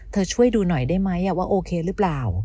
ช่วยดูหน่อยได้ไหมว่าโอเคหรือเปล่า